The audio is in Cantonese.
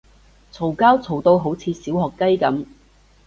嘈交嘈到好似小學雞噉